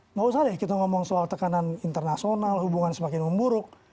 tidak usah kita bicara soal tekanan internasional hubungan semakin memburuk